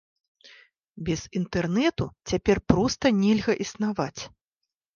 Без інтэрнэту цяпер проста нельга існаваць.